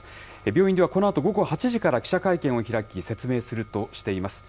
病院ではこのあと午後８時から記者会見を開き、説明するとしています。